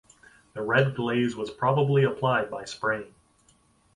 The red glaze was probably applied by spraying.